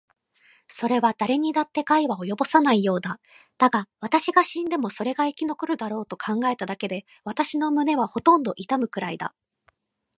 それはだれにだって害は及ぼさないようだ。だが、私が死んでもそれが生き残るだろうと考えただけで、私の胸はほとんど痛むくらいだ。